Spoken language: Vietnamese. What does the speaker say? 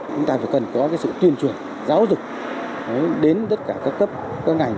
chúng ta phải cần có sự tuyên truyền giáo dục đến tất cả các cấp các ngành